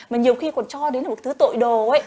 mà nhiều khi còn cho đến được một thứ tội đồ ấy